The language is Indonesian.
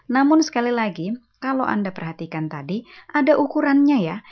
namun sekali lagi kalau anda perhatikan tadi ada ukurannya ya